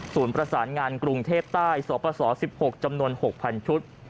ประสานงานกรุงเทพใต้สปส๑๖จำนวน๖๐๐ชุด